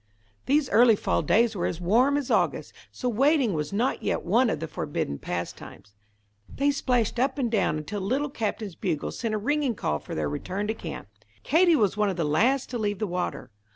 These early fall days were as warm as August, so wading was not yet one of the forbidden pastimes. They splashed up and down until the Little Captain's bugle sent a ringing call for their return to camp. Katie was one of the last to leave the water.